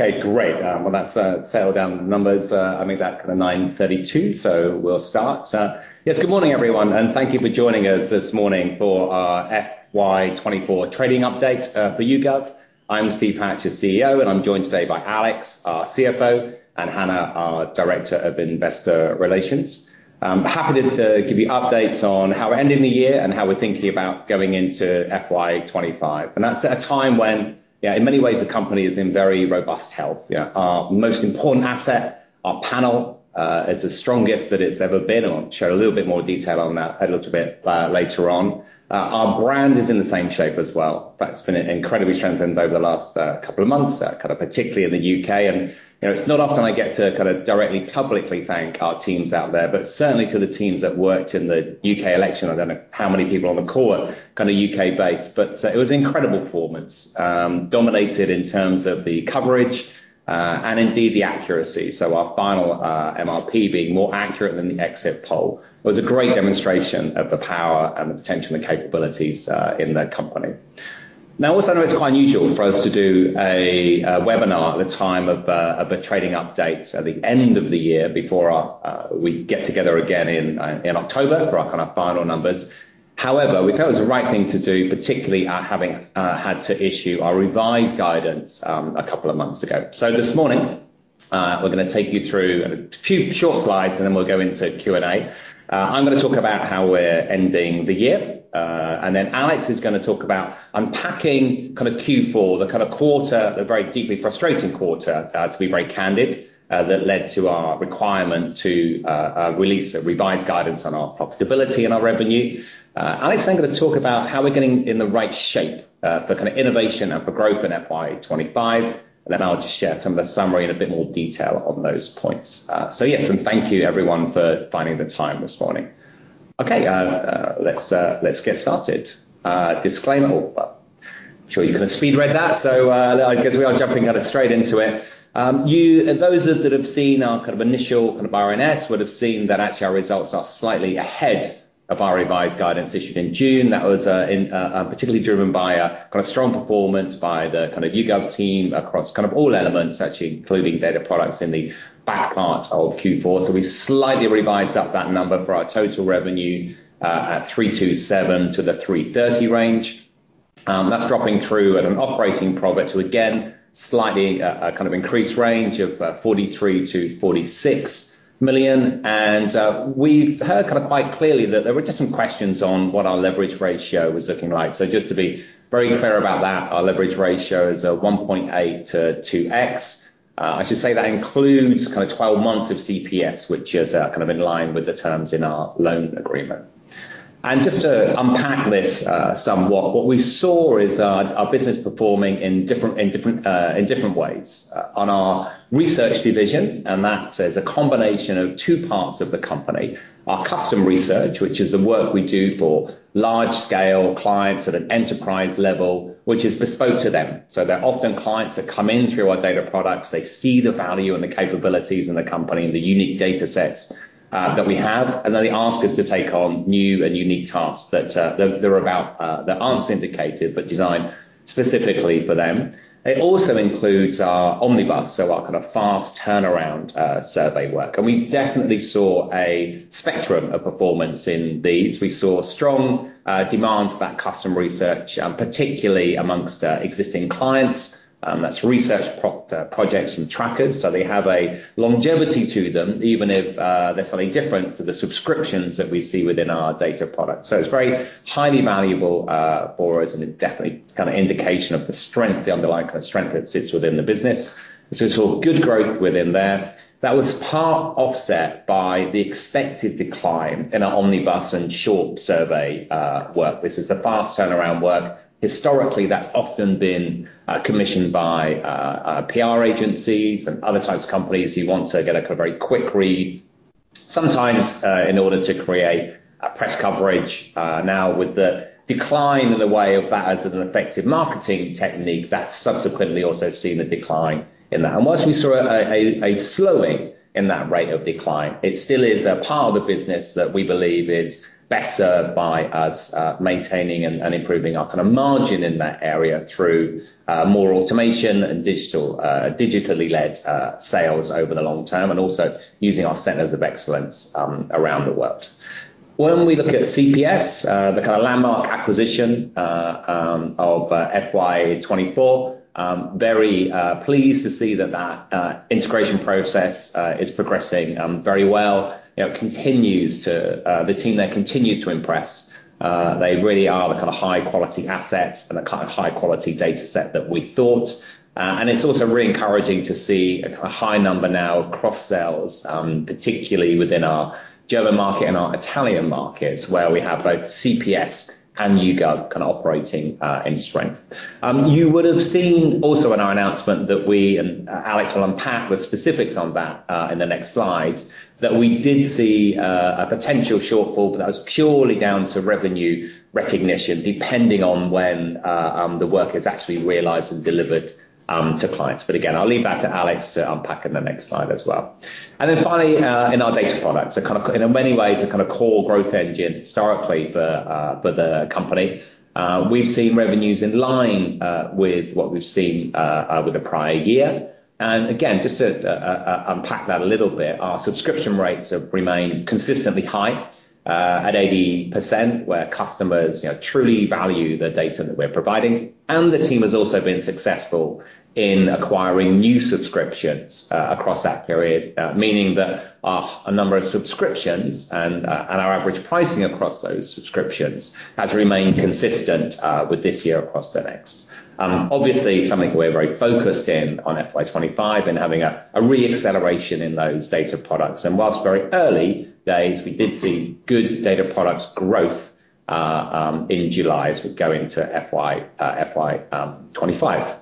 Okay, great. Well, that's a sail down the numbers. I'm in DACH at 9:32 A.M., so we'll start. Yes, good morning, everyone, and thank you for joining us this morning for our FY 2024 trading update for YouGov. I'm Steve Hatch, the CEO, and I'm joined today by Alex, our CFO, and Hannah, our Director of Investor Relations. Happy to give you updates on how we're ending the year and how we're thinking about going into FY 2025. That's at a time when, in many ways, the company is in very robust health. Our most important asset, our panel, is the strongest that it's ever been. I'll share a little bit more detail on that a little bit later on. Our brand is in the same shape as well. In fact, it's been incredibly strengthened over the last couple of months, kind of particularly in the U.K. And it's not often I get to kind of directly publicly thank our teams out there, but certainly to the teams that worked in the U.K. election. I don't know how many people on the call are kind of U.K.-based, but it was an incredible performance, dominated in terms of the coverage and indeed the accuracy. So our final MRP being more accurate than the exit poll. It was a great demonstration of the power and the potential and the capabilities in the company. Now, also, I know it's quite unusual for us to do a webinar at the time of the trading updates at the end of the year before we get together again in October for our kind of final numbers. However, we felt it was the right thing to do, particularly having had to issue our revised guidance a couple of months ago. So this morning, we're going to take you through a few short slides, and then we'll go into Q&A. I'm going to talk about how we're ending the year. And then Alex is going to talk about unpacking kind of Q4, the kind of quarter, the very deeply frustrating quarter, to be very candid, that led to our requirement to release a revised guidance on our profitability and our revenue. Alex, I'm going to talk about how we're getting in the right shape for kind of innovation and for growth in FY 2025. And then I'll just share some of the summary in a bit more detail on those points. So yes, and thank you, everyone, for finding the time this morning. Okay, let's get started. Disclaimer, I'm sure you could have speed read that, so I guess we are jumping kind of straight into it. Those that have seen our kind of initial kind of RNS would have seen that actually our results are slightly ahead of our revised guidance issued in June. That was particularly driven by a kind of strong performance by the kind of YouGov team across kind of all elements, actually including data products in the back part of Q4. So we slightly revised up that number for our total revenue at 327 million-330 million. That's dropping through at an operating profit to, again, slightly a kind of increased range of 43 million-46 million. And we've heard kind of quite clearly that there were different questions on what our leverage ratio was looking like. So just to be very clear about that, our leverage ratio is 1.82x. I should say that includes kind of 12 months of CPS, which is kind of in line with the terms in our loan agreement. And just to unpack this somewhat, what we saw is our business performing in different ways. On our research division, and that is a combination of two parts of the company, our custom research, which is the work we do for large-scale clients at an enterprise level, which is bespoke to them. So they're often clients that come in through our data products. They see the value and the capabilities in the company and the unique data sets that we have. And then they ask us to take on new and unique tasks that they're about that aren't syndicated but designed specifically for them. It also includes our Omnibus, so our kind of fast turnaround survey work. We definitely saw a spectrum of performance in these. We saw strong demand for that custom research, particularly among existing clients. That's research projects and trackers. So they have a longevity to them, even if they're slightly different to the subscriptions that we see within our data products. So it's very highly valuable for us, and it's definitely kind of an indication of the strength, the underlying kind of strength that sits within the business. So we saw good growth within there. That was part offset by the expected decline in our Omnibus and short survey work, which is the fast turnaround work. Historically, that's often been commissioned by PR agencies and other types of companies who want to get a kind of very quick read, sometimes in order to create a press coverage. Now, with the decline in the way of that as an effective marketing technique, that's subsequently also seen a decline in that. And while we saw a slowing in that rate of decline, it still is a part of the business that we believe is best served by us maintaining and improving our kind of margin in that area through more automation and digitally-led sales over the long term, and also using our centers of excellence around the world. When we look at CPS, the kind of landmark acquisition of FY 2024, very pleased to see that that integration process is progressing very well. The team there continues to impress. They really are the kind of high-quality assets and the kind of high-quality data set that we thought. It's also really encouraging to see a kind of high number now of cross-sells, particularly within our German market and our Italian markets, where we have both CPS and YouGov kind of operating in strength. You would have seen also in our announcement that we, and Alex will unpack the specifics on that in the next slide, that we did see a potential shortfall, but that was purely down to revenue recognition, depending on when the work is actually realized and delivered to clients. Again, I'll leave that to Alex to unpack in the next slide as well. Then finally, in our data products, in many ways, a kind of core growth engine historically for the company, we've seen revenues in line with what we've seen with the prior year. And again, just to unpack that a little bit, our subscription rates have remained consistently high at 80%, where customers truly value the data that we're providing. And the team has also been successful in acquiring new subscriptions across that period, meaning that a number of subscriptions and our average pricing across those subscriptions has remained consistent with this year across the next. Obviously, something we're very focused in on FY 2025 and having a re-acceleration in those data products. And while very early days, we did see good data products growth in July as we go into FY 2025.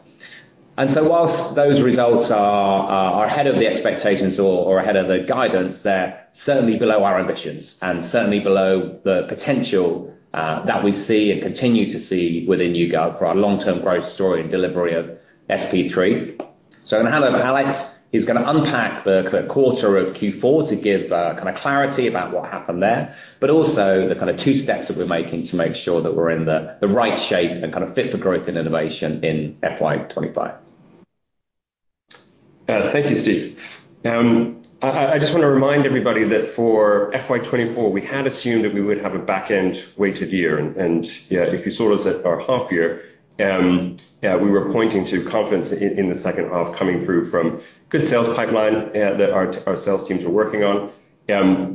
And so while those results are ahead of the expectations or ahead of the guidance, they're certainly below our ambitions and certainly below the potential that we see and continue to see within YouGov for our long-term growth story and delivery of SP3. So I'm going to hand over to Alex. He's going to unpack the quarter of Q4 to give kind of clarity about what happened there, but also the kind of two steps that we're making to make sure that we're in the right shape and kind of fit for growth and innovation in FY 2025. Thank you, Steve. I just want to remind everybody that for FY 2024, we had assumed that we would have a back-end weighted year. If you saw us at our half-year, we were pointing to confidence in the second half coming through from good sales pipeline that our sales teams were working on.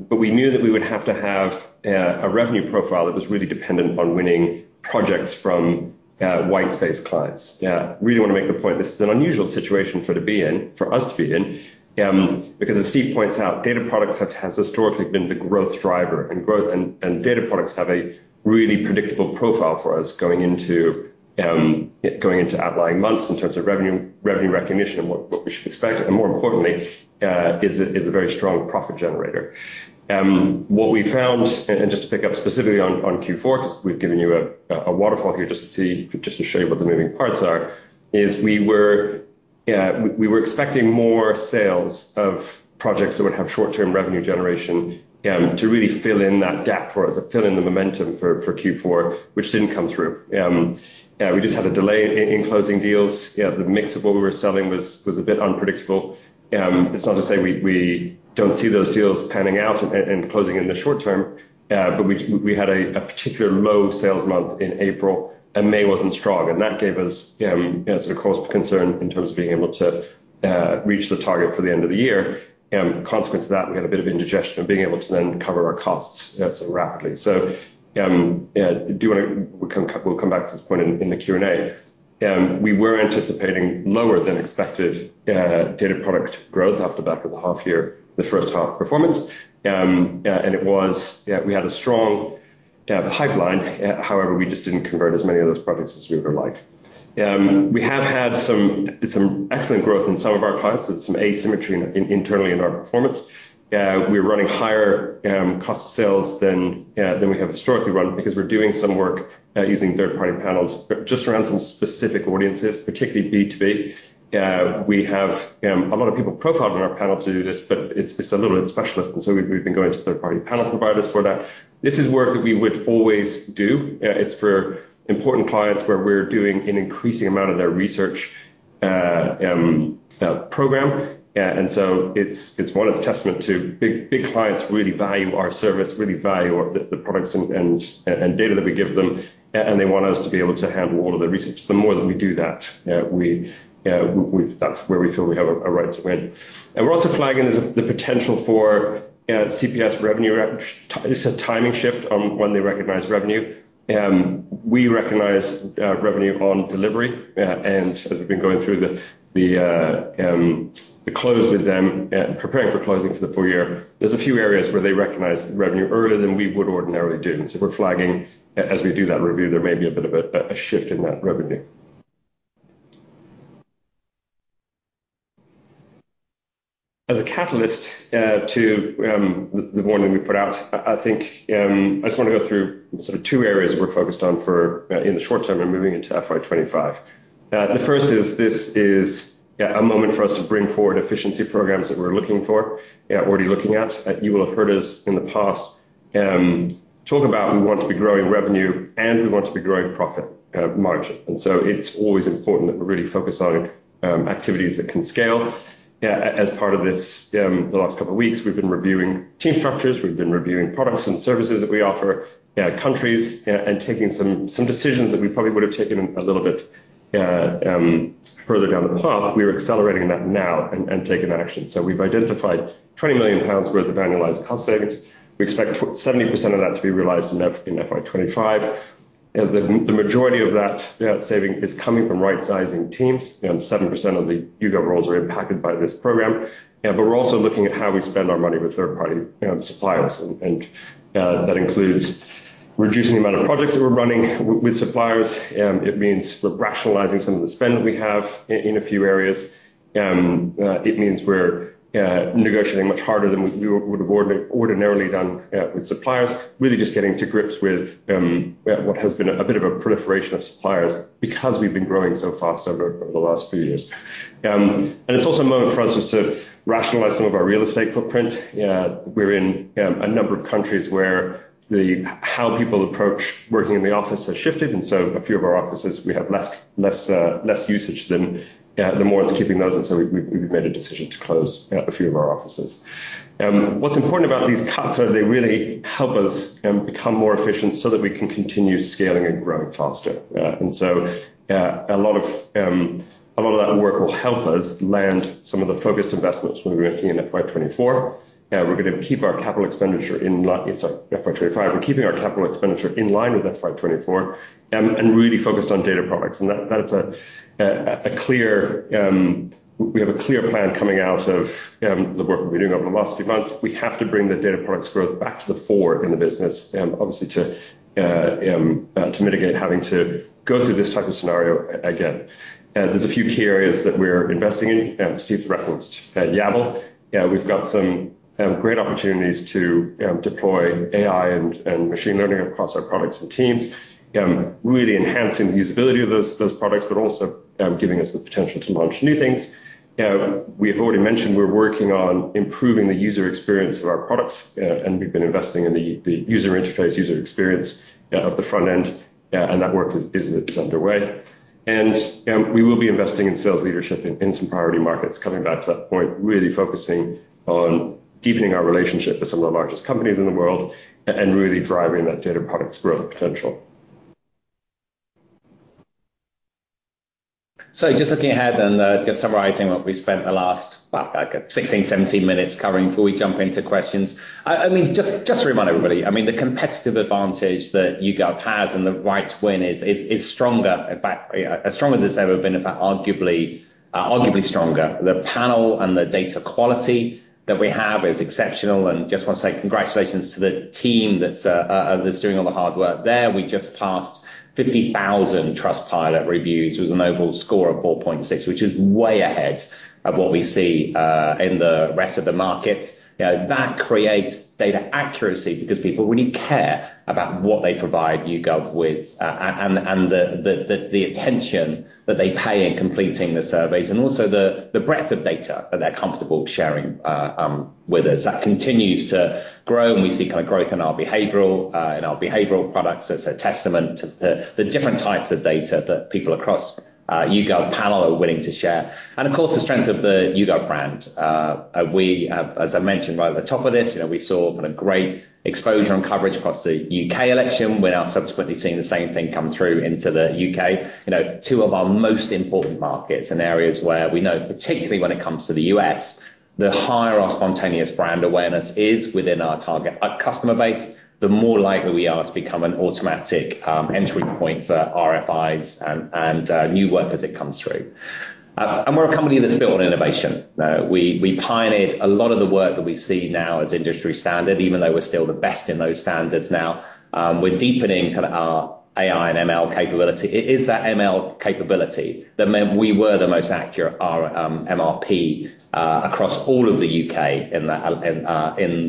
We knew that we would have to have a revenue profile that was really dependent on winning projects from white space clients. I really want to make the point this is an unusual situation for us to be in because, as Steve points out, data products have historically been the growth driver, and data products have a really predictable profile for us going into outlying months in terms of revenue recognition and what we should expect. More importantly, is a very strong profit generator. What we found, and just to pick up specifically on Q4, because we've given you a waterfall here just to show you what the moving parts are, is we were expecting more sales of projects that would have short-term revenue generation to really fill in that gap for us, fill in the momentum for Q4, which didn't come through. We just had a delay in closing deals. The mix of what we were selling was a bit unpredictable. It's not to say we don't see those deals panning out and closing in the short term, but we had a particular low sales month in April, and May wasn't strong. That gave us sort of cause for concern in terms of being able to reach the target for the end of the year. Consequence of that, we had a bit of indigestion of being able to then cover our costs so rapidly. So we'll come back to this point in the Q&A. We were anticipating lower than expected data product growth off the back of the half-year, the first half performance. And it was, we had a strong pipeline. However, we just didn't convert as many of those projects as we would have liked. We have had some excellent growth in some of our clients. There's some asymmetry internally in our performance. We're running higher cost sales than we have historically run because we're doing some work using third-party panels just around some specific audiences, particularly B2B. We have a lot of people profiled in our panel to do this, but it's a little bit specialist. And so we've been going to third-party panel providers for that. This is work that we would always do. It's for important clients where we're doing an increasing amount of their research program. And so it's one, it's a testament to big clients really value our service, really value the products and data that we give them, and they want us to be able to handle all of their research. The more that we do that, that's where we feel we have a right to win. And we're also flagging the potential for CPS revenue timing shift on when they recognize revenue. We recognize revenue on delivery. And as we've been going through the close with them and preparing for closing for the full year, there's a few areas where they recognize revenue earlier than we would ordinarily do. So we're flagging as we do that review, there may be a bit of a shift in that revenue. As a catalyst to the warning we put out, I think I just want to go through sort of 2 areas we're focused on in the short term and moving into FY 2025. The first is this is a moment for us to bring forward efficiency programs that we're looking for, already looking at. You will have heard us in the past talk about we want to be growing revenue and we want to be growing profit margin. And so it's always important that we really focus on activities that can scale. As part of this, the last couple of weeks, we've been reviewing team structures. We've been reviewing products and services that we offer, countries, and taking some decisions that we probably would have taken a little bit further down the path. We are accelerating that now and taking action. So we've identified 20 million pounds worth of annualized cost savings. We expect 70% of that to be realized in FY 2025. The majority of that saving is coming from right-sizing teams. 7% of the YouGov roles are impacted by this program. We're also looking at how we spend our money with third-party suppliers. That includes reducing the amount of projects that we're running with suppliers. It means we're rationalizing some of the spend that we have in a few areas. It means we're negotiating much harder than we would have ordinarily done with suppliers, really just getting to grips with what has been a bit of a proliferation of suppliers because we've been growing so fast over the last few years. It's also a moment for us to rationalize some of our real estate footprint. We're in a number of countries where how people approach working in the office has shifted. A few of our offices, we have less usage than others. So we're not keeping those. We've made a decision to close a few of our offices. What's important about these cuts is that they really help us become more efficient so that we can continue scaling and growing faster. A lot of that work will help us land some of the focused investments we're making in FY 2024. We're going to keep our capital expenditure in FY 2025. We're keeping our capital expenditure in line with FY 2024 and really focused on data products. And that's clear. We have a clear plan coming out of the work we've been doing over the last few months. We have to bring the data products growth back to the fore in the business, obviously, to mitigate having to go through this type of scenario again. There's a few key areas that we're investing in. Steve referenced Yabble. We've got some great opportunities to deploy AI and machine learning across our products and teams, really enhancing the usability of those products, but also giving us the potential to launch new things. We have already mentioned we're working on improving the user experience of our products. We've been investing in the user interface, user experience of the front end. That work is underway. We will be investing in sales leadership in some priority markets, coming back to that point, really focusing on deepening our relationship with some of the largest companies in the world and really driving that data products growth potential. So just looking ahead and just summarizing what we spent the last 16, 17 minutes covering before we jump into questions. I mean, just to remind everybody, I mean, the competitive advantage that YouGov has and the right to win is stronger, in fact, as strong as it's ever been, in fact, arguably stronger. The panel and the data quality that we have is exceptional. And just want to say congratulations to the team that's doing all the hard work there. We just passed 50,000 Trustpilot reviews with an overall score of 4.6, which is way ahead of what we see in the rest of the market. That creates data accuracy because people really care about what they provide YouGov with and the attention that they pay in completing the surveys and also the breadth of data that they're comfortable sharing with us. That continues to grow. We see kind of growth in our behavioral products as a testament to the different types of data that people across YouGov Panel are willing to share. Of course, the strength of the YouGov brand. As I mentioned right at the top of this, we saw kind of great exposure and coverage across the U.K. election. We're now subsequently seeing the same thing come through into the U.K. Two of our most important markets and areas where we know, particularly when it comes to the U.S., the higher our spontaneous brand awareness is within our target customer base, the more likely we are to become an automatic entry point for RFIs and new work as it comes through. We're a company that's built on innovation. We pioneered a lot of the work that we see now as industry standard, even though we're still the best in those standards now. We're deepening kind of our AI and ML capability. It is that ML capability that meant we were the most accurate MRP across all of the U.K. in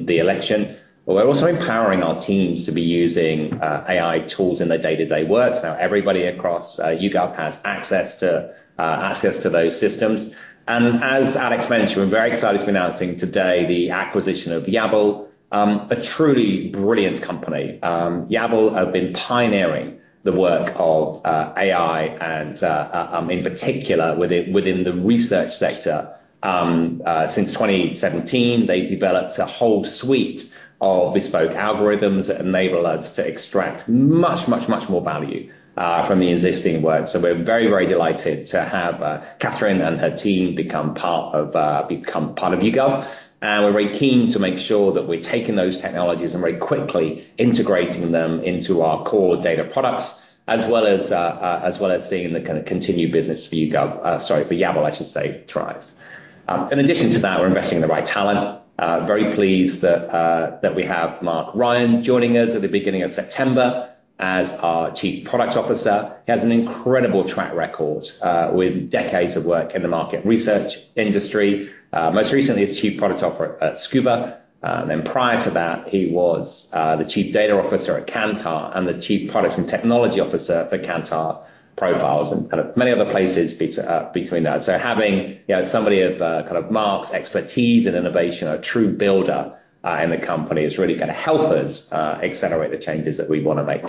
the election. But we're also empowering our teams to be using AI tools in their day-to-day work. So now everybody across YouGov has access to those systems. And as Alex mentioned, we're very excited to be announcing today the acquisition of Yabble, a truly brilliant company. Yabble have been pioneering the work of AI and in particular within the research sector. Since 2017, they've developed a whole suite of bespoke algorithms that enable us to extract much, much, much more value from the existing work. So we're very, very delighted to have Kathryn and her team become part of YouGov. And we're very keen to make sure that we're taking those technologies and very quickly integrating them into our core data products, as well as seeing the kind of continued business for YouGov, sorry, for Yabble, I should say, thrive. In addition to that, we're investing in the right talent. Very pleased that we have Mark Ryan joining us at the beginning of September as our Chief Product Officer. He has an incredible track record with decades of work in the market research industry. Most recently, he's Chief Product Officer at Scuba. And then prior to that, he was the Chief Data Officer at Kantar and the Chief Product and Technology Officer for Kantar Profiles and kind of many other places between that. So having somebody of kind of Mark's expertise and innovation, a true builder in the company, is really going to help us accelerate the changes that we want to make.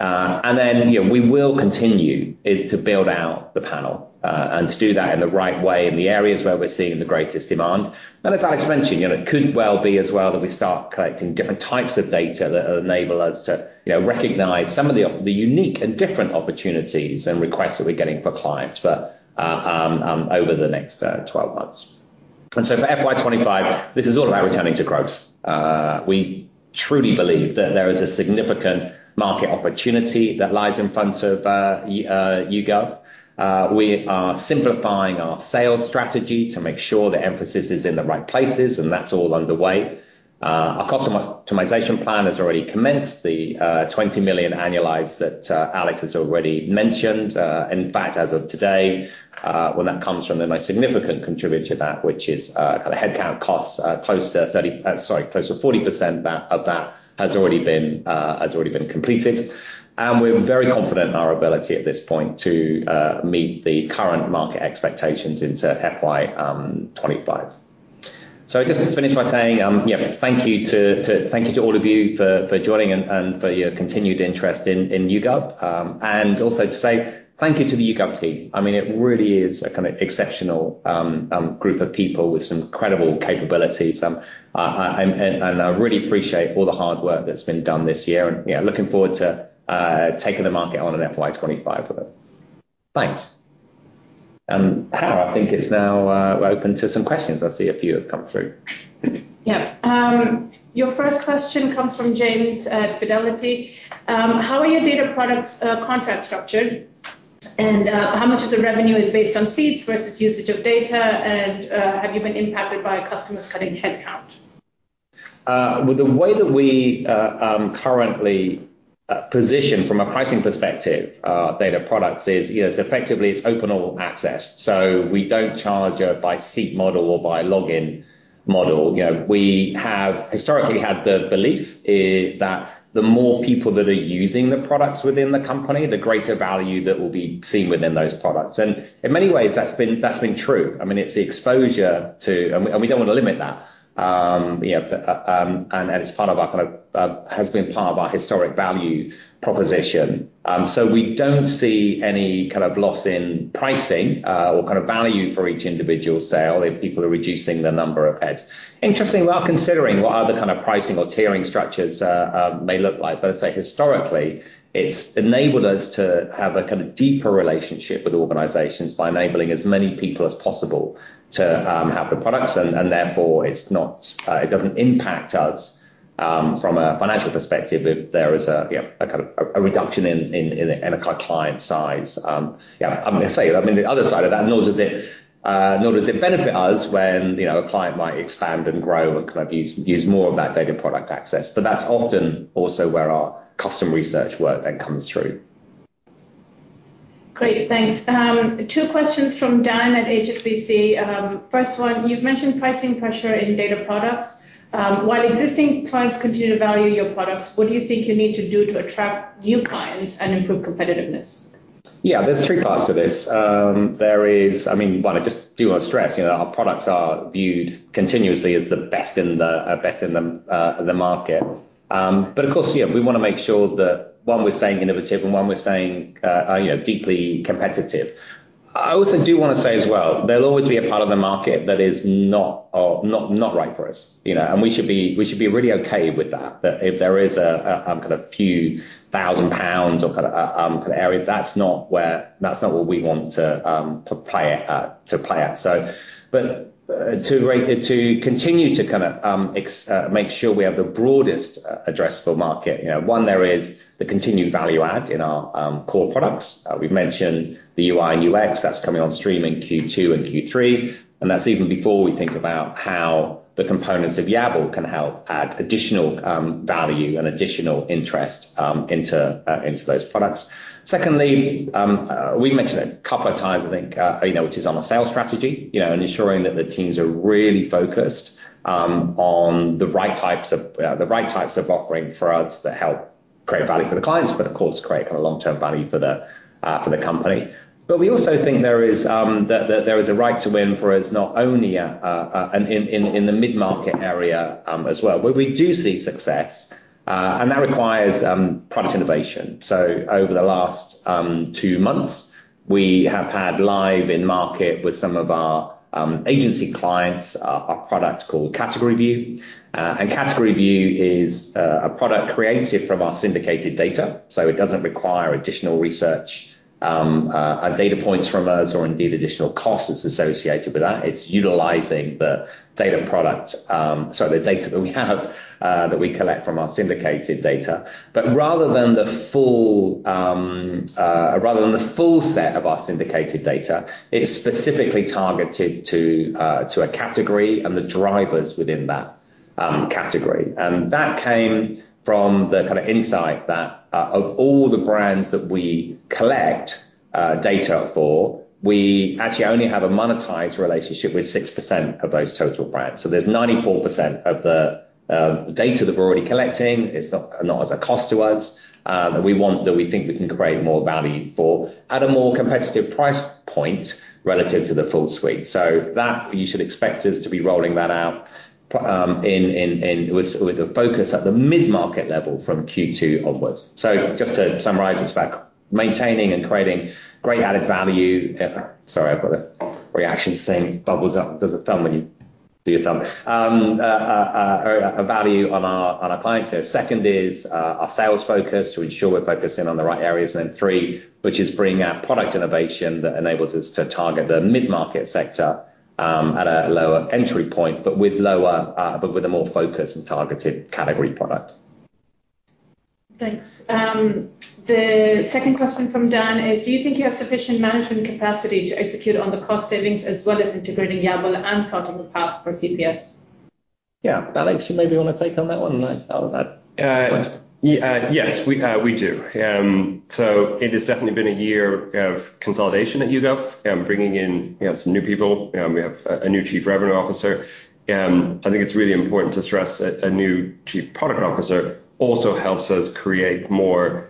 And then we will continue to build out the panel and to do that in the right way in the areas where we're seeing the greatest demand. And as Alex mentioned, it could well be as well that we start collecting different types of data that enable us to recognize some of the unique and different opportunities and requests that we're getting for clients over the next 12 months. And so for FY 2025, this is all about returning to growth. We truly believe that there is a significant market opportunity that lies in front of YouGov. We are simplifying our sales strategy to make sure the emphasis is in the right places, and that's all underway. Our cost optimization plan has already commenced, the 20 million annualized that Alex has already mentioned. In fact, as of today, when that comes from the most significant contributor to that, which is kind of headcount costs, close to 40% of that has already been completed. And we're very confident in our ability at this point to meet the current market expectations into FY 2025. So I just finished by saying thank you to all of you for joining and for your continued interest in YouGov. And also to say thank you to the YouGov team. I mean, it really is a kind of exceptional group of people with some incredible capabilities. And I really appreciate all the hard work that's been done this year. And looking forward to taking the market on in FY 2025 with it. Thanks. And Hannah, I think it's now open to some questions. I see a few have come through. Yeah. Your first question comes from James at Fidelity. How are your data products contracts structured? And how much of the revenue is based on subs versus usage of data? And have you been impacted by customers cutting headcount? Well, the way that we currently position from a pricing perspective our data products is effectively it's open all access. So we don't charge by seat model or by login model. We have historically had the belief that the more people that are using the products within the company, the greater value that will be seen within those products. And in many ways, that's been true. I mean, it's the exposure to, and we don't want to limit that. And it's part of our kind of has been part of our historic value proposition. So we don't see any kind of loss in pricing or kind of value for each individual sale if people are reducing the number of heads. Interestingly, without considering what other kind of pricing or tiering structures may look like, but I'd say historically, it's enabled us to have a kind of deeper relationship with organizations by enabling as many people as possible to have the products. And therefore, it doesn't impact us from a financial perspective if there is a kind of reduction in our client size. Yeah, I'm going to say, I mean, the other side of that, nor does it benefit us when a client might expand and grow and kind of use more of that data product access. But that's often also where our custom research work then comes through. Great. Thanks. Two questions from Dan at HSBC. First one, you've mentioned pricing pressure in data products. While existing clients continue to value your products, what do you think you need to do to attract new clients and improve competitiveness? Yeah, there are 3 parts to this. I mean, one, I just do want to stress our products are viewed continuously as the best in the market. But of course, we want to make sure that one we're staying innovative and one we're staying deeply competitive. I also do want to say as well, there'll always be a part of the market that is not right for us. And we should be really okay with that. If there is a kind of few thousand GBP or kind of area, that's not what we want to play at. But to continue to kind of make sure we have the broadest addressable market, one, there is the continued value add in our core products. We've mentioned the UI and UX that's coming on stream in Q2 and Q3. That's even before we think about how the components of Yabble can help add additional value and additional interest into those products. Secondly, we've mentioned a couple of times, I think, which is on our sales strategy, ensuring that the teams are really focused on the right types of offering for us that help create value for the clients, but of course, create kind of long-term value for the company. But we also think there is a right to win for us not only in the mid-market area as well, where we do see success. And that requires product innovation. Over the last two months, we have had live in market with some of our agency clients our product called CategoryView. And CategoryView is a product created from our syndicated data. So it doesn't require additional research, data points from us, or indeed additional costs associated with that. It's utilizing the data product, sorry, the data that we have that we collect from our syndicated data. But rather than the full set of our syndicated data, it's specifically targeted to a category and the drivers within that category. And that came from the kind of insight that of all the brands that we collect data for, we actually only have a monetized relationship with 6% of those total brands. So there's 94% of the data that we're already collecting. It's not as a cost to us that we think we can create more value for at a more competitive price point relative to the full suite. So that you should expect us to be rolling that out with a focus at the mid-market level from Q2 onwards. So just to summarize, it's about maintaining and creating great added value. Sorry, I've got a reaction thing. Bubbles up. There's a thumb when you do your thumb. A value on our clients. Second is our sales focus to ensure we're focusing on the right areas. And then three, which is bringing our product innovation that enables us to target the mid-market sector at a lower entry point, but with a more focused and targeted category product. Thanks. The second question from Dan is, do you think you have sufficient management capacity to execute on the cost savings as well as integrating Yabble and critical path for CPS? Yeah, Alex, you maybe want to take on that one. Yes, we do. So it has definitely been a year of consolidation at YouGov, bringing in some new people. We have a new Chief Revenue Officer. I think it's really important to stress that a new Chief Product Officer also helps us create more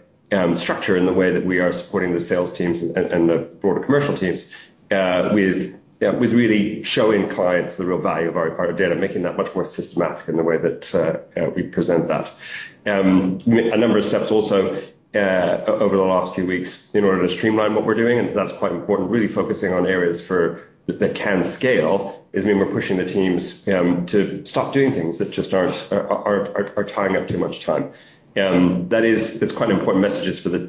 structure in the way that we are supporting the sales teams and the broader commercial teams with really showing clients the real value of our data, making that much more systematic in the way that we present that. A number of steps also over the last few weeks in order to streamline what we're doing. And that's quite important. Really focusing on areas that can scale, I mean we're pushing the teams to stop doing things that just are tying up too much time. That's quite an important message for the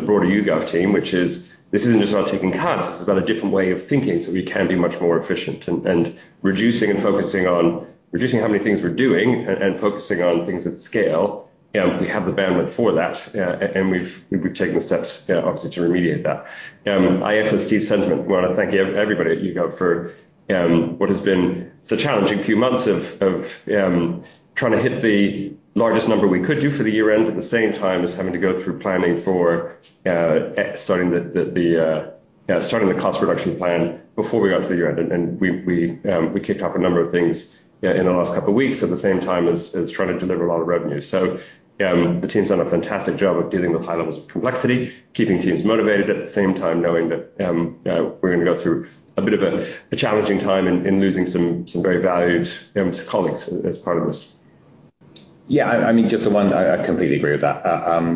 broader YouGov team, which is this isn't just about taking cuts. It's about a different way of thinking. So we can be much more efficient and reducing and focusing on reducing how many things we're doing and focusing on things that scale. We have the bandwidth for that. And we've taken the steps, obviously, to remediate that. I echo Steve's sentiment. We want to thank everybody at YouGov for what has been such a challenging few months of trying to hit the largest number we could do for the year-end at the same time as having to go through planning for starting the cost reduction plan before we got to the year-end. And we kicked off a number of things in the last couple of weeks at the same time as trying to deliver a lot of revenue. So the team's done a fantastic job of dealing with high levels of complexity, keeping teams motivated at the same time knowing that we're going to go through a bit of a challenging time in losing some very valued colleagues as part of this. Yeah, I mean, just the one, I completely agree with that.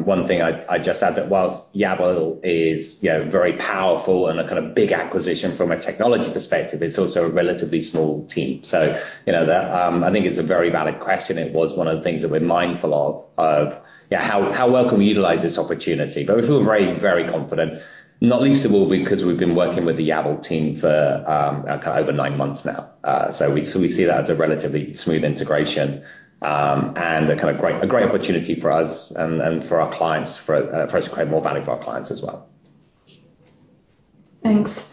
One thing I just add that whilst Yabble is very powerful and a kind of big acquisition from a technology perspective, it's also a relatively small team. So I think it's a very valid question. It was one of the things that we're mindful of, of how well can we utilize this opportunity. But we feel very, very confident, not least of all because we've been working with the Yabble team for over nine months now. So we see that as a relatively smooth integration and a great opportunity for us and for our clients for us to create more value for our clients as well. Thanks.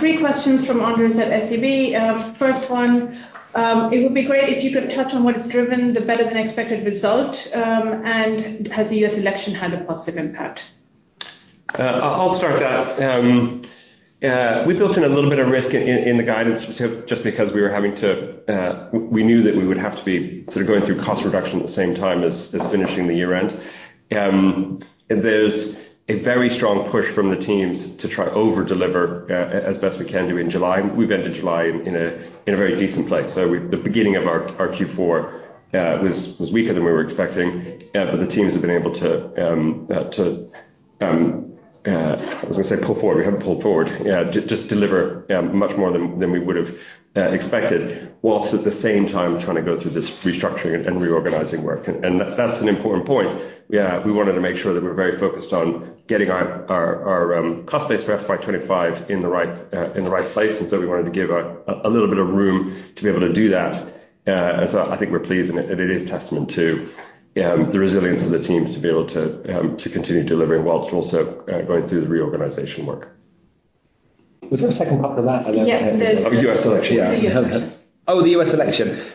Three questions from Andrew at SEB. First one, it would be great if you could touch on what has driven the better-than-expected result. And has the U.S. election had a positive impact? I'll start that. We built in a little bit of risk in the guidance just because we were having to, we knew that we would have to be sort of going through cost reduction at the same time as finishing the year-end. There's a very strong push from the teams to try to overdeliver as best we can do in July. We've been to July in a very decent place. So the beginning of our Q4 was weaker than we were expecting. But the teams have been able to, I was going to say pull forward. We haven't pulled forward. Just deliver much more than we would have expected while at the same time trying to go through this restructuring and reorganizing work. And that's an important point. We wanted to make sure that we're very focused on getting our cost base for FY 2025 in the right place. And so we wanted to give a little bit of room to be able to do that. And so I think we're pleased. And it is testament to the resilience of the teams to be able to continue delivering while also going through the reorganization work. Was there a second part to that? Yeah, the U.S. election. Oh, the U.S. election.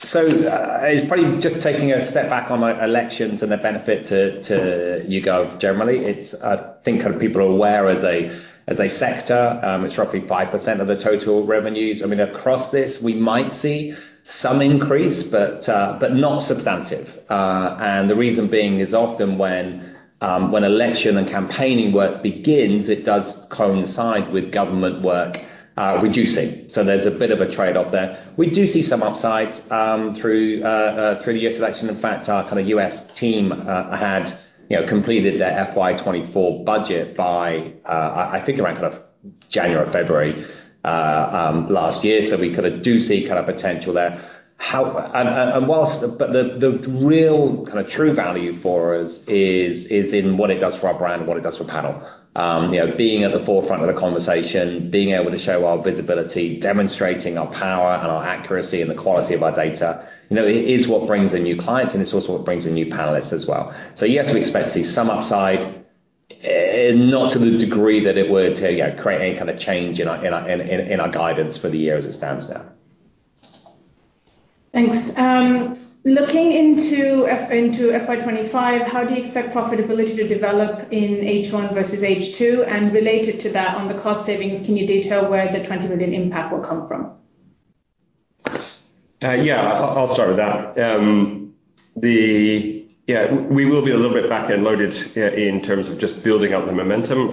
So it's probably just taking a step back on elections and the benefit to YouGov generally. I think kind of people are aware as a sector, it's roughly 5% of the total revenues. I mean, across this, we might see some increase, but not substantive. And the reason being is often when election and campaigning work begins, it does coincide with government work reducing. So there's a bit of a trade-off there. We do see some upside through the U.S. election. In fact, our kind of U.S. team had completed their FY 2024 budget by, I think, around kind of January or February last year. So we kind of do see kind of potential there. But the real kind of true value for us is in what it does for our brand, what it does for panel. Being at the forefront of the conversation, being able to show our visibility, demonstrating our power and our accuracy and the quality of our data is what brings in new clients. And it's also what brings in new panelists as well. So yes, we expect to see some upside, not to the degree that it would create any kind of change in our guidance for the year as it stands now. Thanks. Looking into FY 2025, how do you expect profitability to develop in H1 versus H2? And related to that, on the cost savings, can you detail where the 20 million impact will come from? Yeah, I'll start with that. Yeah, we will be a little bit back-loaded in terms of just building up the momentum.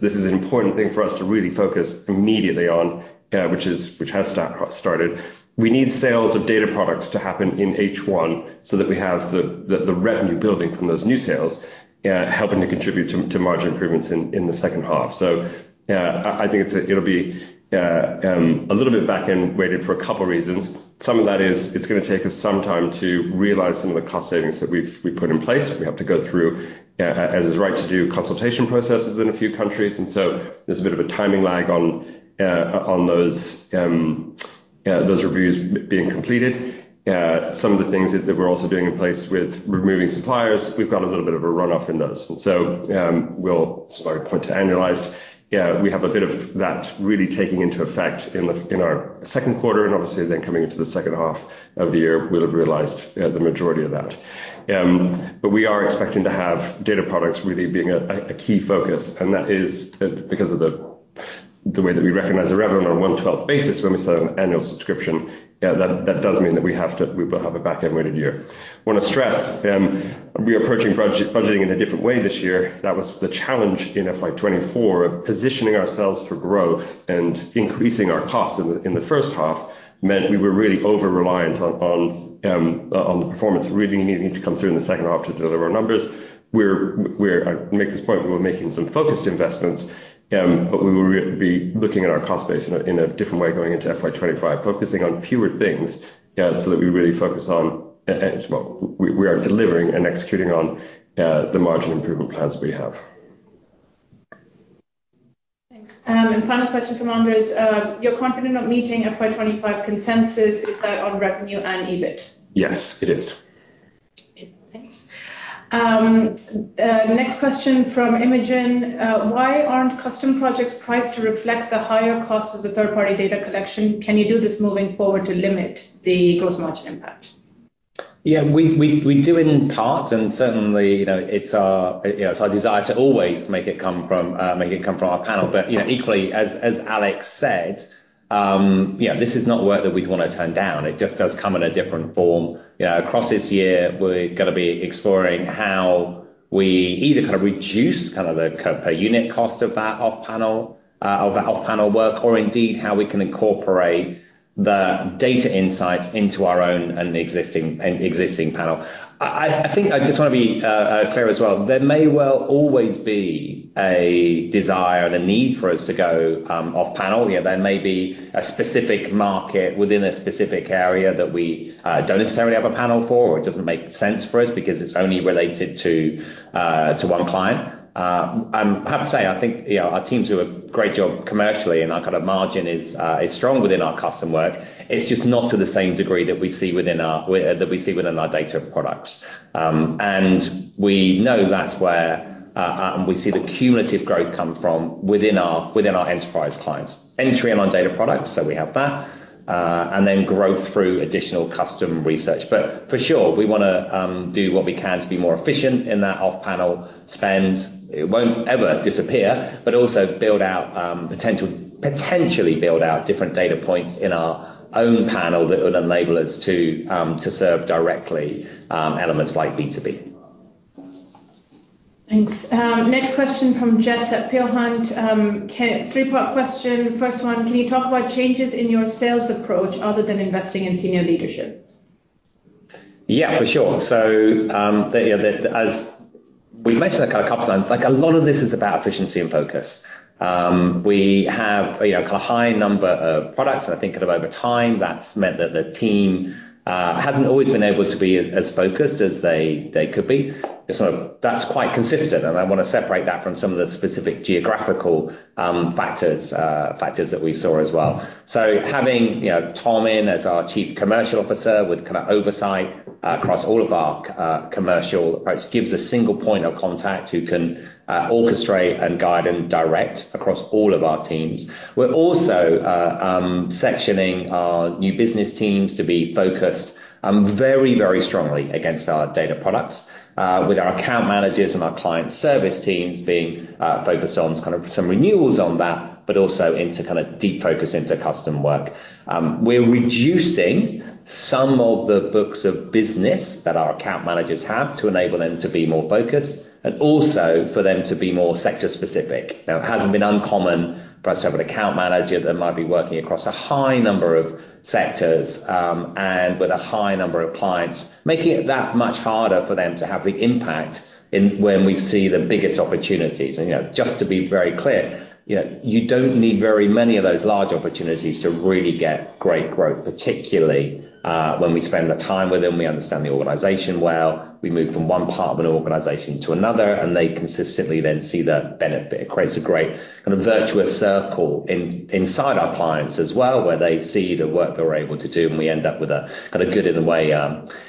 This is an important thing for us to really focus immediately on, which has started. We need sales of data products to happen in H1 so that we have the revenue building from those new sales helping to contribute to margin improvements in the second half. I think it'll be a little bit back-weighted for a couple of reasons. Some of that is it's going to take us some time to realize some of the cost savings that we've put in place. We have to go through, as is right to do, consultation processes in a few countries. So there's a bit of a timing lag on those reviews being completed. Some of the things that we're also doing in place with removing suppliers. We've got a little bit of a runoff in those. So we'll start to annualize. We have a bit of that really taking into effect in our second quarter. Obviously, then coming into the second half of the year, we'll have realized the majority of that. But we are expecting to have data products really being a key focus. That is because of the way that we recognize the revenue on a 112 basis when we start an annual subscription. That does mean that we have to have a back-end weighted year. I want to stress we're approaching budgeting in a different way this year. That was the challenge in FY 2024 of positioning ourselves for growth and increasing our costs in the first half, meant we were really over-reliant on the performance really needing to come through in the second half to deliver our numbers. I'd make this point. We were making some focused investments, but we will be looking at our cost base in a different way going into FY 2025, focusing on fewer things so that we really focus on what we are delivering and executing on the margin improvement plans we have. Thanks. And final question from Andrew. You're confident of meeting FY 2025 consensus. Is that on revenue and EBIT? Yes, it is. Thanks. Next question from Imogen. Why aren't custom projects priced to reflect the higher cost of the third-party data collection? Can you do this moving forward to limit the gross margin impact? Yeah, we do in part. And certainly, it's our desire to always make it come from our panel. But equally, as Alex said, this is not work that we'd want to turn down. It just does come in a different form. Across this year, we're going to be exploring how we either kind of reduce kind of the per-unit cost of that off-panel work, or indeed how we can incorporate the data insights into our own and existing panel. I think I just want to be clear as well. There may well always be a desire and a need for us to go off-panel. There may be a specific market within a specific area that we don't necessarily have a panel for, or it doesn't make sense for us because it's only related to one client. I'm happy to say I think our teams do a great job commercially, and our kind of margin is strong within our custom work. It's just not to the same degree that we see within our data products. We know that's where we see the cumulative growth come from within our enterprise clients. Entry on our data products. We have that. Then growth through additional custom research. But for sure, we want to do what we can to be more efficient in that off-panel spend. It won't ever disappear, but also potentially build out different data points in our own panel that would enable us to serve directly elements like B2B. Thanks. Next question from Jess at Peel Hunt. Three-part question. First one, can you talk about changes in your sales approach other than investing in senior leadership? Yeah, for sure. So as we've mentioned a couple of times, a lot of this is about efficiency and focus. We have a high number of products. And I think kind of over time, that's meant that the team hasn't always been able to be as focused as they could be. That's quite consistent. And I want to separate that from some of the specific geographical factors that we saw as well. So having Tom in as our Chief Commercial Officer with kind of oversight across all of our commercial approach gives a single point of contact who can orchestrate and guide and direct across all of our teams. We're also sectioning our new business teams to be focused very, very strongly against our data products, with our account managers and our client service teams being focused on kind of some renewals on that, but also into kind of deep focus into custom work. We're reducing some of the books of business that our account managers have to enable them to be more focused and also for them to be more sector-specific. Now, it hasn't been uncommon for us to have an account manager that might be working across a high number of sectors and with a high number of clients, making it that much harder for them to have the impact when we see the biggest opportunities. Just to be very clear, you don't need very many of those large opportunities to really get great growth, particularly when we spend the time with them. We understand the organization well. We move from one part of an organization to another, and they consistently then see the benefit. It creates a great kind of virtuous circle inside our clients as well, where they see the work they're able to do. And we end up with a kind of good, in a way,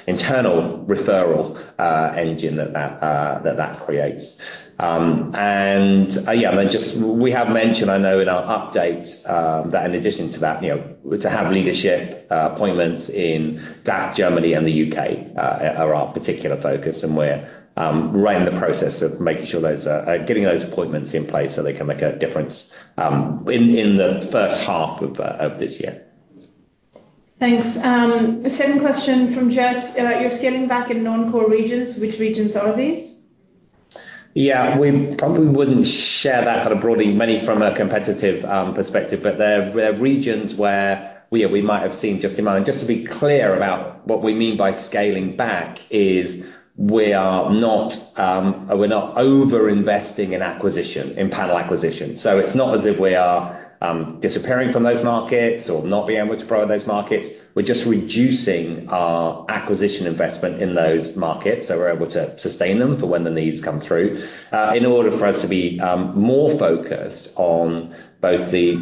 internal referral engine that that creates. And yeah, we have mentioned, I know, in our updates that in addition to that, to have leadership appointments in DACH, Germany, and the U.K. are our particular focus. And we're right in the process of making sure getting those appointments in place so they can make a difference in the first half of this year. Thanks. Second question from Jess. You're scaling back in non-core regions. Which regions are these? Yeah, we probably wouldn't share that kind of broadly many from a competitive perspective. But there are regions where we might have seen just in mind. And just to be clear about what we mean by scaling back is we are not over-investing in acquisition, in panel acquisition. So it's not as if we are disappearing from those markets or not being able to grow in those markets. We're just reducing our acquisition investment in those markets so we're able to sustain them for when the needs come through in order for us to be more focused on both the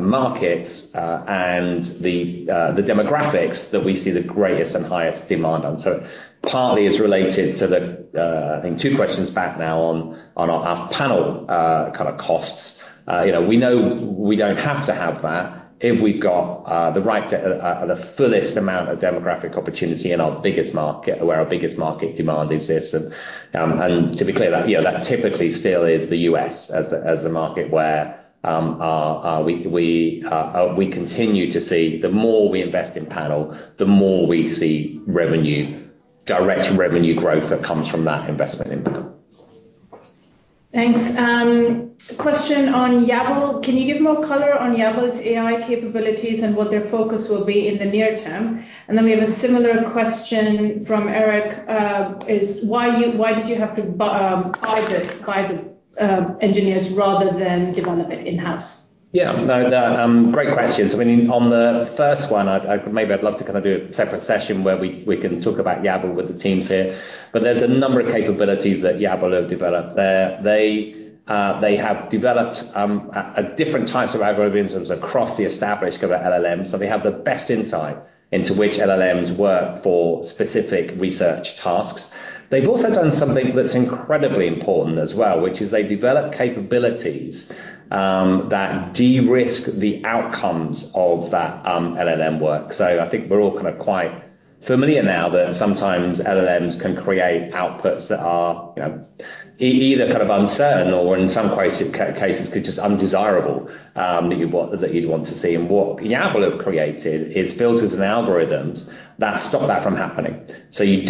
markets and the demographics that we see the greatest and highest demand on. So partly it's related to the, I think, two questions back now on our panel kind of costs. We know we don't have to have that if we've got the right, the fullest amount of demographic opportunity in our biggest market where our biggest market demand exists. And to be clear, that typically still is the U.S. as the market where we continue to see the more we invest in panel, the more we see direct revenue growth that comes from that investment in panel. Thanks. Question on Yabble. Can you give more color on Yabble's AI capabilities and what their focus will be in the near term? And then we have a similar question from Eric. Why did you have to buy the engineers rather than develop it in-house? Yeah, great questions. I mean, on the first one, maybe I'd love to kind of do a separate session where we can talk about Yabble with the teams here. But there's a number of capabilities that Yabble have developed. They have developed different types of algorithms across the established kind of LLMs. So they have the best insight into which LLMs work for specific research tasks. They've also done something that's incredibly important as well, which is they've developed capabilities that de-risk the outcomes of that LLM work. So I think we're all kind of quite familiar now that sometimes LLMs can create outputs that are either kind of uncertain or, in some cases, could just be undesirable that you'd want to see. And what Yabble have created is filters and algorithms that stop that from happening. So you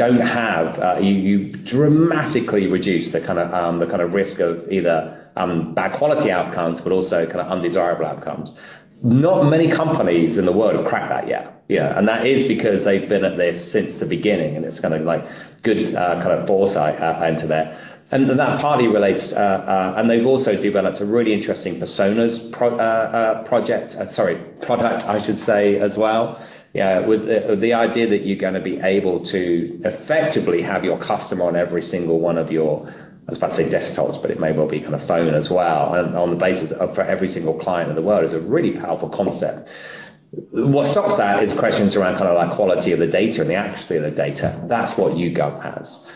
dramatically reduce the kind of risk of either bad quality outcomes, but also kind of undesirable outcomes. Not many companies in the world have cracked that yet. And that is because they've been at this since the beginning. And it's kind of like good kind of foresight into that. And that partly relates. And they've also developed a really interesting personas project, sorry, product, I should say, as well, with the idea that you're going to be able to effectively have your customer on every single one of your, I suppose, desktops, but it may well be kind of phone as well, on the basis of for every single client in the world is a really powerful concept. What stops that is questions around kind of like quality of the data and the accuracy of the data. That's what YouGov has.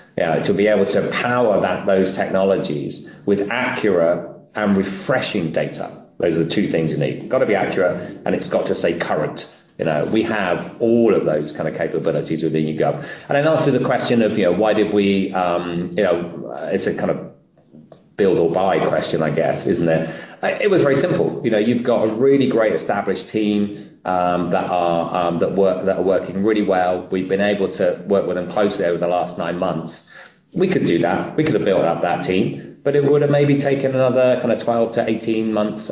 To be able to power those technologies with accurate and refreshing data, those are the two things you need. It's got to be accurate, and it's got to stay current. We have all of those kind of capabilities within YouGov. And then also the question of why did we? It's a kind of build or buy question, I guess, isn't it? It was very simple. You've got a really great established team that are working really well. We've been able to work with them closely over the last 9 months. We could do that. We could have built up that team, but it would have maybe taken another kind of 12-18 months